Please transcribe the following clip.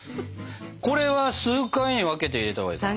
これは数回に分けて入れたほうがいいかな？